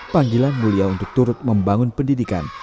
panggilan mulia untuk turut membangun pendidikan